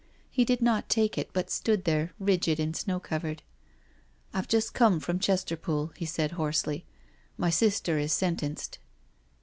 He did not take it, but stood there, rigid and snow covered. " I've just come from Chesterpool," he said hoarsely. •• My sister is sentenced.